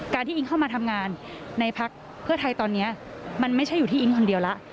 ที่อิ๊งเข้ามาทำงานในพักเพื่อไทยตอนนี้มันไม่ใช่อยู่ที่อิ๊งคนเดียวแล้ว